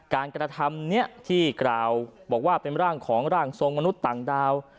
การกระทำนี้ที่กล่าวบอกว่าเป็นร่างของร่างทรงมนุษย์ต่างดาว